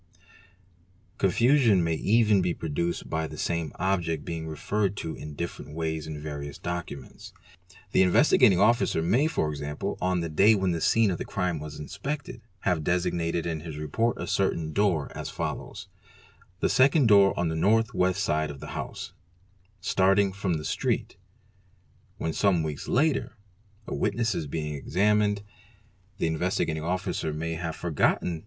Confusion may even Do ee ie sl GO er he cr be produced by the same object being referred to in different ways in yarious documents. The Investigating Officer may, e.g., on the day when the scene of the crime was inspected, have designated in his report |» certain door as follows :—'' the second door on the north west side of he house, starting from the street'; when, some weeks later, a witness E $ being examined, the Investigating Officer may have forgotten this 4A& ~ 7